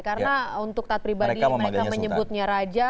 karena untuk tat pribadi mereka menyebutnya raja